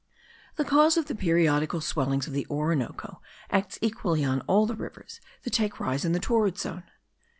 The cause of the periodical swellings of the Orinoco acts equally on all the rivers that take rise in the torrid zone.